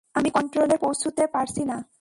আমি কন্ট্রোলে পৌঁছুতে পারছি না।